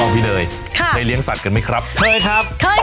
บอกพี่เนยเคยเลี้ยงสัตว์กันไหมครับเคยครับเคยครับ